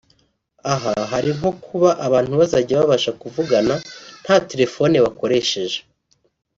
Aha hari nko kuba abantu bazajya babasha kuvugana nta telephone bakoresheje